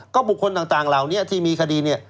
ก็บุคคลต่างเหล่านี้ที่มีคดีเนี่ย